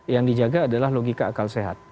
yang dijaga adalah logika akal sehat